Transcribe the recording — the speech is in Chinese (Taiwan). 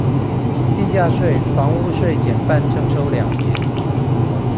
地價稅、房屋稅減半徵收兩年